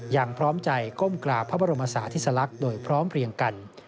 ยังพร้อมใจก้มกราบพระบรมศาสติสลักษณ์โดยพร้อมเพลียงกัน